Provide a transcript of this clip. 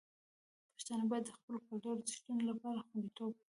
پښتانه باید د خپلو کلتوري ارزښتونو لپاره خوندیتوب وکړي.